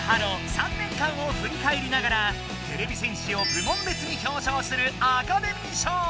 ３年間をふりかえりながらてれび戦士を部門別に表彰するアカデミー賞！